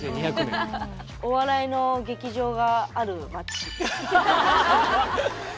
お笑いの劇場がある街。